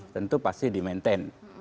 tentu pasti di maintain